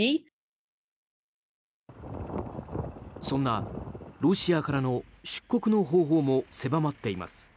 そんなロシアからの出国の方法も狭まっています。